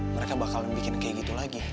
mereka bakal bikin kayak gitu lagi